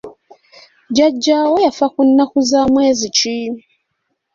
Jjajjaawo yafa ku nnnaku za mwezi ki?